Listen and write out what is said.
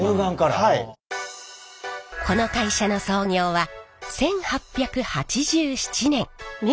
この会社の創業は１８８７年。